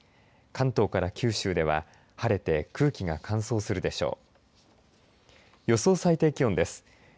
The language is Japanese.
関東から九州では晴れて空気が乾燥するでしょう。